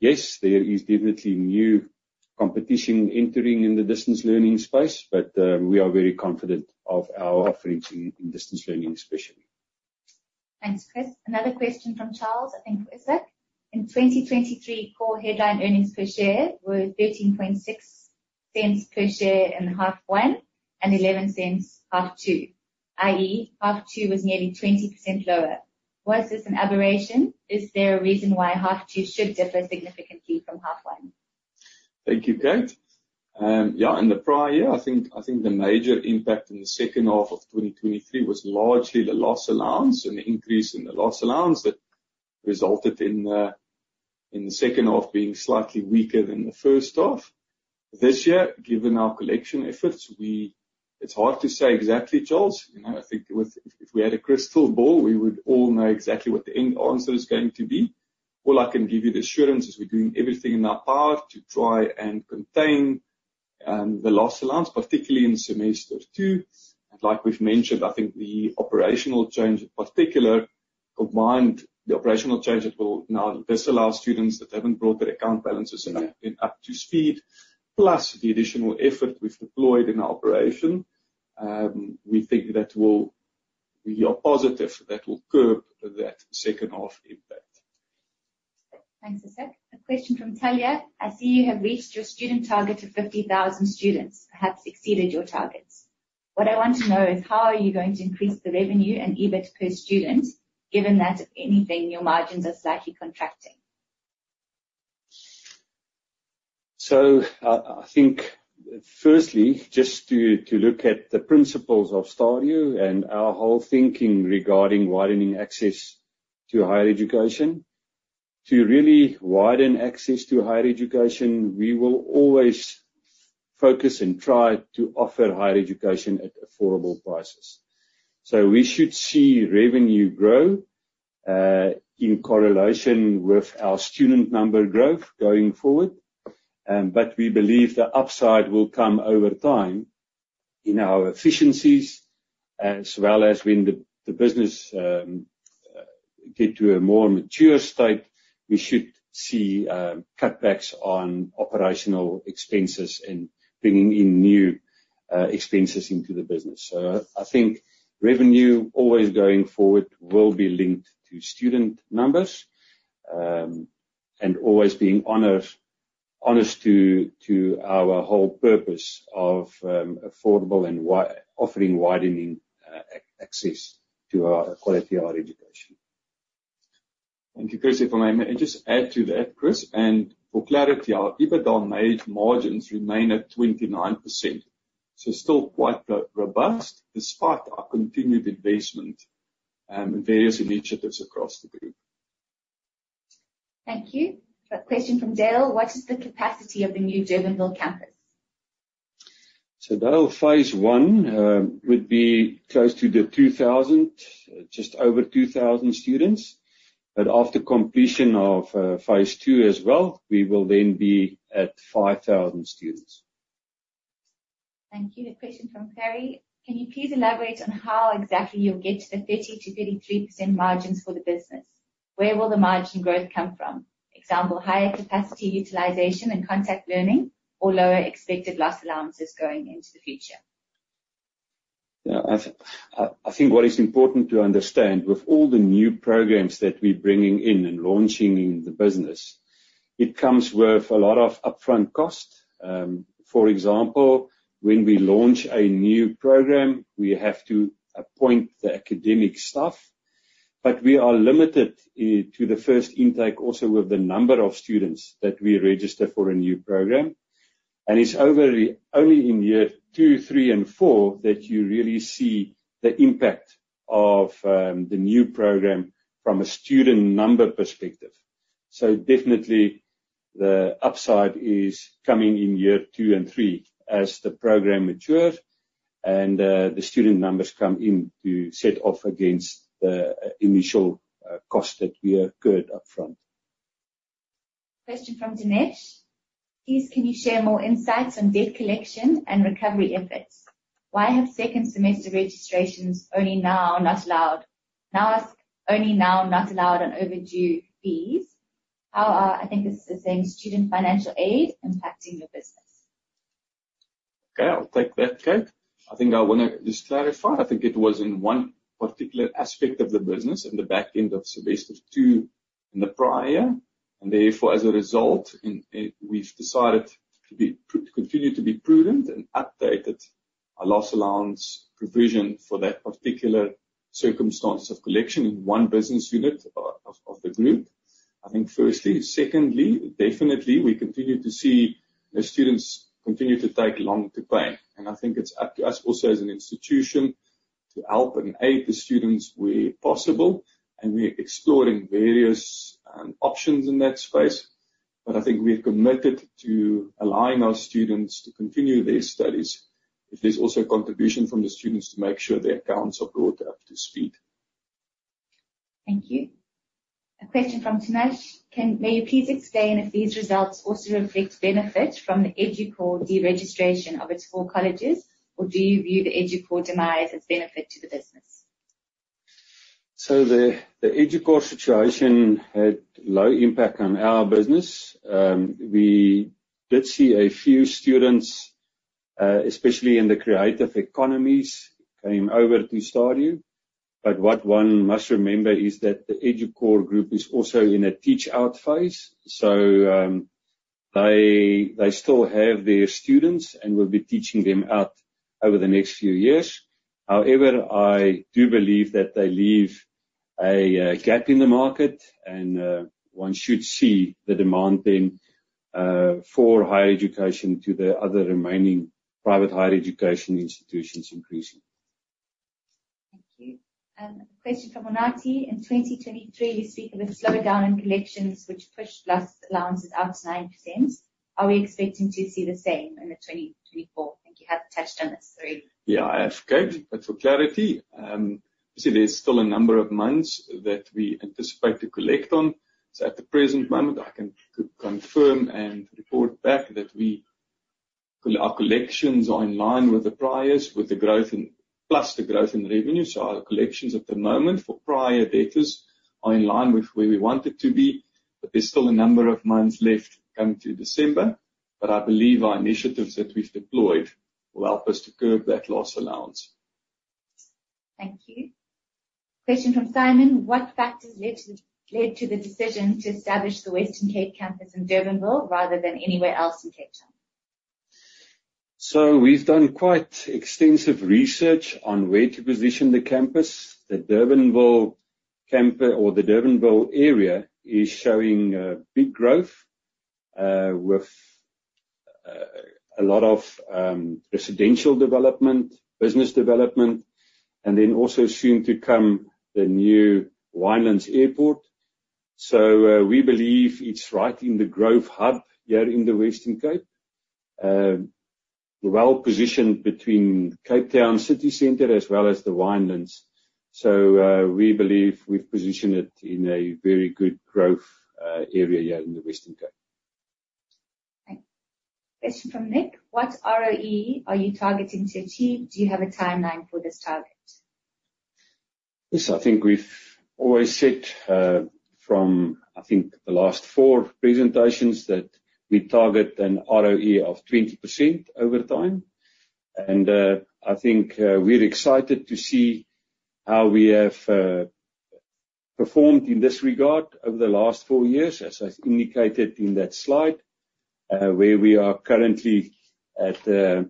S2: Yes, there is definitely new competition entering in the distance learning space, but we are very confident of our offerings in distance learning especially.
S4: Thanks, Chris. Another question from Charles, I think for Isaak. In 2023, core headline earnings per share were 0.136 per share in half one and 0.11 half two, i.e., half two was nearly 20% lower. Was this an aberration? Is there a reason why half two should differ significantly from half one?
S3: Thank you, Kate. In the prior year, I think the major impact in the second half of 2023 was largely the loss allowance and the increase in the loss allowance that resulted in the second half being slightly weaker than the first half. This year, given our collection efforts, it's hard to say exactly, Charles. I think if we had a crystal ball, we would all know exactly what the end answer is going to be. All I can give you the assurance is we're doing everything in our power to try and contain the loss allowance, particularly in semester two. Like we've mentioned, I think the operational change, in particular, combined the operational change that will now disallow students that haven't brought their account balances up to speed, plus the additional effort we've deployed in our operation. We are positive that will curb that second-half impact.
S4: Thanks, Isaak. A question from Talia. I see you have reached your student target of 50,000 students, perhaps exceeded your targets. What I want to know is how are you going to increase the revenue and EBIT per student, given that, if anything, your margins are slightly contracting?
S2: I think firstly, just to look at the principles of Stadio and our whole thinking regarding widening access to higher education. To really widen access to higher education, we will always focus and try to offer higher education at affordable prices. We should see revenue grow, in correlation with our student number growth going forward. We believe the upside will come over time in our efficiencies as well as when the business get to a more mature state. We should see cutbacks on operational expenses and bringing in new expenses into the business. I think revenue always going forward will be linked to student numbers, and always being honest to our whole purpose of affordable and offering widening access to our quality higher education.
S3: Thank you, Chris. If I may just add to that, Chris, and for clarity, our EBITDA margins remain at 29%. Still quite robust despite our continued investment in various initiatives across the group.
S4: Thank you. A question from Dale. What is the capacity of the new Durbanville campus?
S2: Dale, phase 1 would be close to the 2,000, just over 2,000 students. After completion of phase 2 as well, we will then be at 5,000 students.
S4: Thank you. A question from Perry. Can you please elaborate on how exactly you'll get to the 30%-33% margins for the business? Where will the margin growth come from? Example, higher capacity utilization and contact learning or lower expected loss allowances going into the future.
S2: Yeah. I think what is important to understand with all the new programs that we're bringing in and launching in the business, it comes with a lot of upfront cost. For example, when we launch a new program, we have to appoint the academic staff. We are limited to the first intake also with the number of students that we register for a new program. And it's only in year two, three and four that you really see the impact of the new program from a student number perspective. Definitely the upside is coming in year two and three as the program matures and the student numbers come in to set off against the initial cost that we incurred upfront.
S4: Question from Dinesh: Please, can you share more insights on debt collection and recovery efforts? Why have second semester registrations only now not allowed on overdue fees? How are, I think it's the same student, financial aid impacting your business?
S2: Okay, I'll take that, Kate. I think I want to just clarify, I think it was in one particular aspect of the business in the back end of semester two in the prior, therefore, as a result, we've decided to continue to be prudent and updated our loss allowance provision for that particular circumstance of collection in one business unit of the group. I think firstly. Secondly, definitely, we continue to see the students continue to take long to pay. I think it's up to us also as an institution to help and aid the students where possible, and we're exploring various options in that space. I think we're committed to allowing our students to continue their studies if there's also a contribution from the students to make sure their accounts are brought up to speed.
S4: Thank you. A question from Dinesh. May you please explain if these results also reflect benefit from the Educor deregistration of its 4 colleges, or do you view the Educor demise as benefit to the business?
S2: The Educor situation had low impact on our business. We did see a few students, especially in the creative economies, came over to Stadio. What one must remember is that the Educor group is also in a teach out phase, so they still have their students and will be teaching them out over the next few years. However, I do believe that they leave a gap in the market and one should see the demand for higher education to the other remaining private higher education institutions increasing.
S4: Thank you. A question from Onati. In 2023, you speak of a slowdown in collections which pushed loss allowances up to 9%. Are we expecting to see the same in 2024? I think you have touched on this already.
S2: Yeah, I have, Kate. For clarity, you see there's still a number of months that we anticipate to collect on. At the present moment, I can confirm and report back that our collections are in line with the priors, plus the growth in revenue. Our collections at the moment for prior debtors are in line with where we want it to be, but there's still a number of months left coming through December. I believe our initiatives that we've deployed will help us to curb that loss allowance.
S4: Thank you. Question from Simon: What factors led to the decision to establish the Western Cape campus in Durbanville rather than anywhere else in Cape Town?
S2: We've done quite extensive research on where to position the campus. The Durbanville area is showing a big growth, with a lot of residential development, business development, and then also soon to come, the new Winelands Airport. We believe it's right in the growth hub here in the Western Cape. Well-positioned between Cape Town city center as well as the Winelands. We believe we've positioned it in a very good growth area here in the Western Cape.
S4: Okay. Question from Nick: What ROE are you targeting to achieve? Do you have a timeline for this target?
S2: Yes, I think we've always said, from, I think the last four presentations, that we target an ROE of 20% over time. I think we're excited to see how we have performed in this regard over the last four years, as I've indicated in that slide, where we are currently at a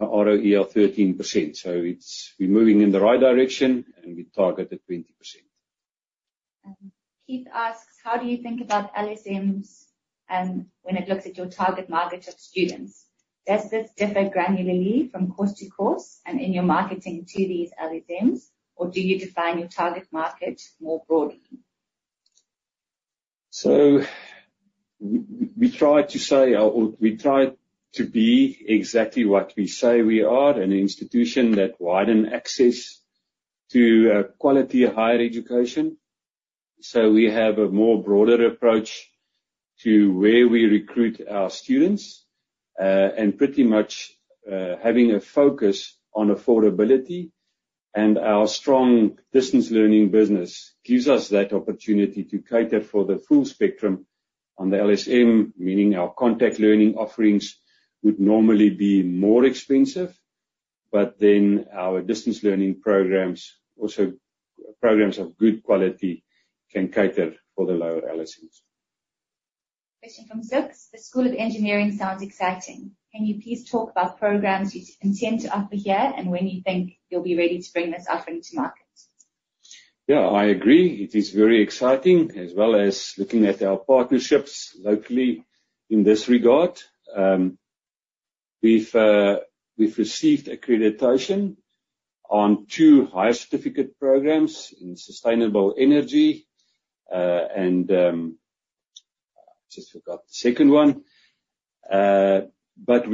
S2: ROE of 13%. We're moving in the right direction and we target the 20%.
S4: Keith asks, how do you think about LSMs, when it looks at your target market of students? Does this differ granularly from course to course and in your marketing to these LSMs, or do you define your target market more broadly?
S2: We try to be exactly what we say we are, an institution that widen access to quality higher education. We have a more broader approach to where we recruit our students, and pretty much having a focus on affordability, and our strong distance learning business gives us that opportunity to cater for the full spectrum on the LSM, meaning our contact learning offerings would normally be more expensive, our distance learning programs, also programs of good quality, can cater for the lower LSMs.
S4: Question from Silks. The School of Engineering sounds exciting. Can you please talk about programs you intend to offer here and when you think you'll be ready to bring this offering to market?
S2: Yeah, I agree. It is very exciting. As well as looking at our partnerships locally in this regard. We've received accreditation on two higher certificate programs in sustainable energy, and I just forgot the second one.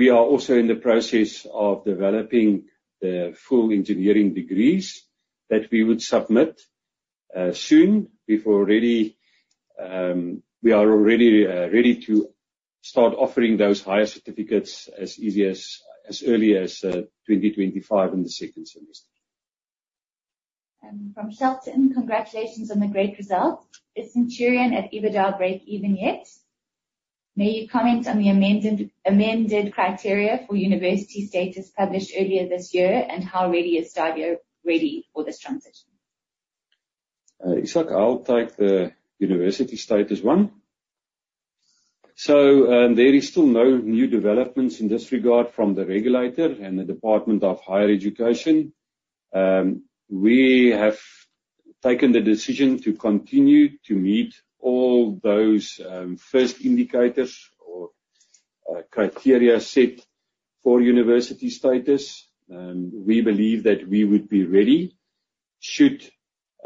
S2: We are also in the process of developing the full engineering degrees that we would submit soon. We are already ready to start offering those higher certificates as early as 2025 in the second semester.
S4: From Shelton. Congratulations on the great result. Is Centurion at EBITDA break-even yet? May you comment on the amended criteria for university status published earlier this year, and how ready is Stadio for this transition?
S2: Ishak, I'll take the university status one. There is still no new developments in this regard from the regulator and the Department of Higher Education. We have taken the decision to continue to meet all those first indicators or criteria set for university status. We believe that we would be ready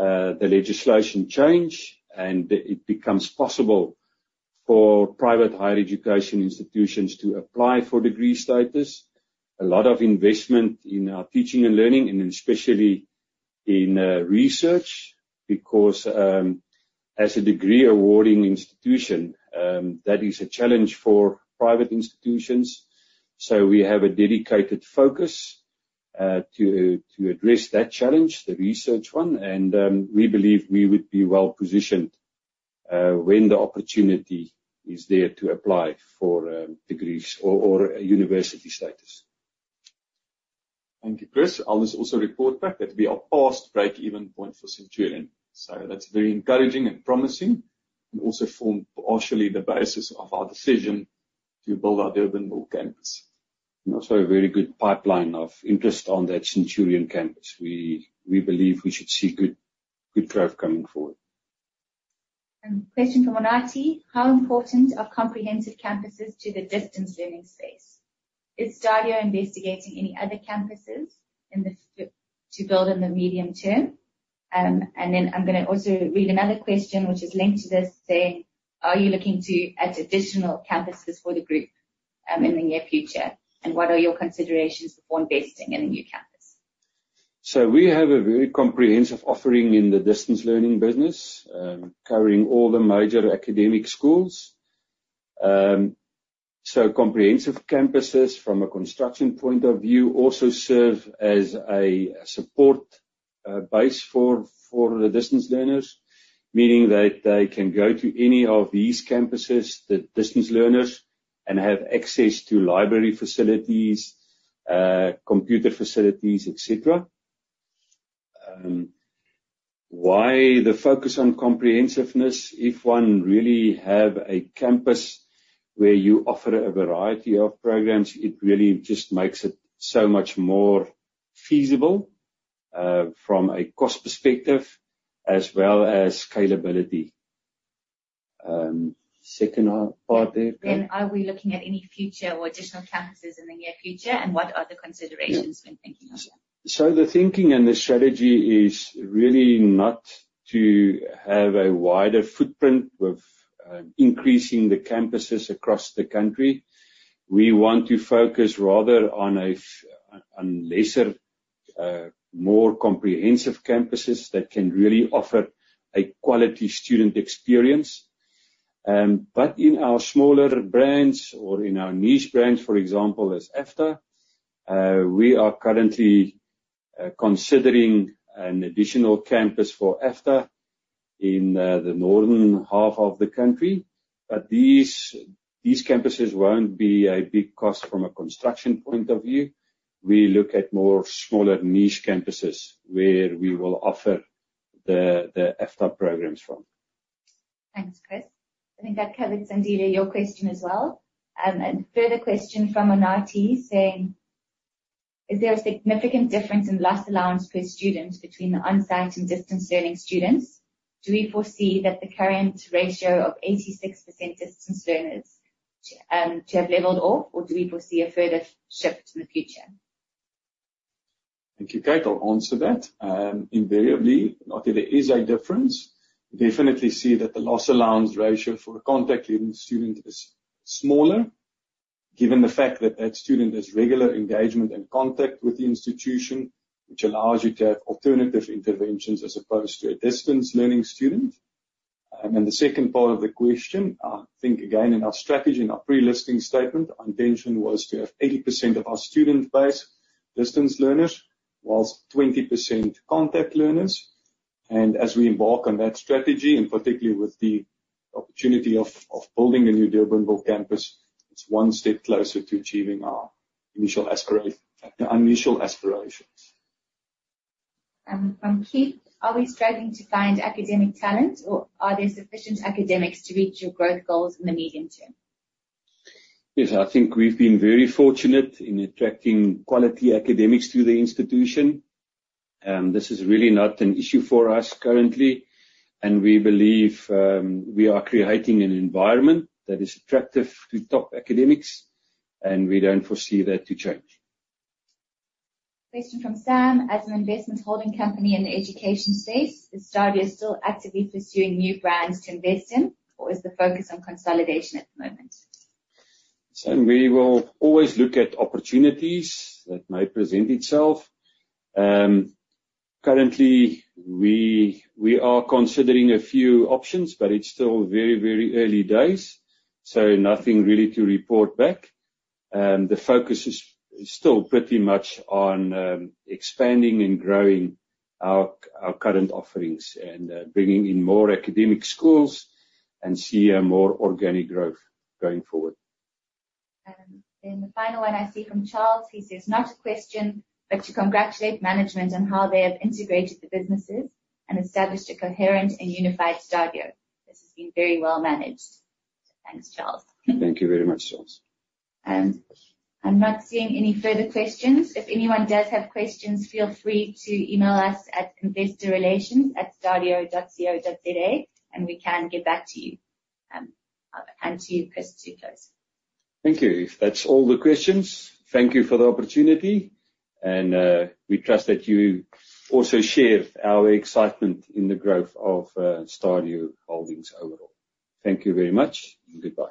S2: should the legislation change and it becomes possible for private higher education institutions to apply for degree status. A lot of investment in our teaching and learning, and especially in research, because, as a degree awarding institution, that is a challenge for private institutions. We have a dedicated focus to address that challenge, the research one, and we believe we would be well-positioned when the opportunity is there to apply for degrees or university status.
S3: Thank you, Chris. I'll just also report back that we are past break-even point for Centurion. That's very encouraging and promising, and also form partially the basis of our decision to build our Durbanville campus. Also a very good pipeline of interest on that Centurion campus. We believe we should see good growth coming forward.
S4: Question from Onati. How important are comprehensive campuses to the distance learning space? Is Stadio investigating any other campuses to build in the medium term? I'm going to also read another question which is linked to this, saying, are you looking to add additional campuses for the group in the near future? What are your considerations for investing in a new campus?
S2: We have a very comprehensive offering in the distance learning business, covering all the major academic schools. Comprehensive campuses from a construction point of view also serve as a support base for the distance learners. Meaning that they can go to any of these campuses, the distance learners, and have access to library facilities, computer facilities, et cetera. Why the focus on comprehensiveness? If one really have a campus where you offer a variety of programs, it really just makes it so much more feasible, from a cost perspective as well as scalability.
S4: Are we looking at any future or additional campuses in the near future, and what are the considerations when thinking of that?
S2: The thinking and the strategy is really not to have a wider footprint with increasing the campuses across the country. We want to focus rather on lesser, more comprehensive campuses that can really offer a quality student experience. In our smaller brands or in our niche brands, for example, as AFDA, we are currently considering an additional campus for AFDA in the northern half of the country. These campuses won't be a big cost from a construction point of view. We look at more smaller niche campuses where we will offer the AFDA programs from.
S4: Thanks, Chris. I think that covers, Sandira, your question as well. A further question from Onati saying, is there a significant difference in loss allowance per student between the on-site and distance learning students? Do we foresee that the current ratio of 86% distance learners to have leveled off, or do we foresee a further shift in the future?
S3: Thank you, Kate. I'll answer that. Invariably, Onati, there is a difference. We definitely see that the loss allowance ratio for a contact learning student is smaller given the fact that that student has regular engagement and contact with the institution, which allows you to have alternative interventions as opposed to a distance learning student. The second part of the question, I think, again, in our strategy, in our pre-listing statement, our intention was to have 80% of our student base distance learners, whilst 20% contact learners. As we embark on that strategy, and particularly with the opportunity of building a new Durbanville campus, it's one step closer to achieving our initial aspirations.
S4: From Keith. Are we struggling to find academic talent, or are there sufficient academics to reach your growth goals in the medium term?
S2: Yes, I think we've been very fortunate in attracting quality academics to the institution. This is really not an issue for us currently, we believe we are creating an environment that is attractive to top academics, and we don't foresee that to change.
S4: Question from Sam. As an investment holding company in the education space, is Stadio still actively pursuing new brands to invest in? Is the focus on consolidation at the moment?
S2: Sam, we will always look at opportunities that may present itself. Currently, we are considering a few options, but it's still very early days, so nothing really to report back. The focus is still pretty much on expanding and growing our current offerings and bringing in more academic schools and see a more organic growth going forward.
S4: The final one I see from Charles. He says, "Not a question, but to congratulate management on how they have integrated the businesses and established a coherent and unified Stadio. This has been very well managed." Thanks, Charles.
S2: Thank you very much, Charles.
S4: I'm not seeing any further questions. If anyone does have questions, feel free to email us at investorrelations@stadio.co.za, and we can get back to you. I'll hand to you, Chris, to close.
S2: Thank you. If that's all the questions, thank you for the opportunity, and we trust that you also share our excitement in the growth of Stadio Holdings overall. Thank you very much and goodbye.